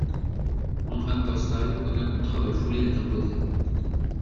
En hunter style, aucun contrat de foulées n’est imposé.